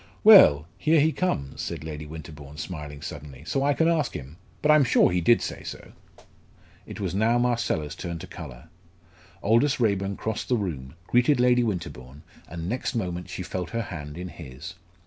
"Well! here he comes," said Lady Winterbourne, smiling suddenly; "so I can ask him. But I am sure he did say so." It was now Marcella's turn to colour. Aldous Raeburn crossed the room, greeted Lady Winterbourne, and next moment she felt her hand in his.